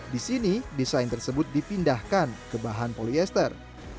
di sini desain tersebut dipindahkan ke bahan polyester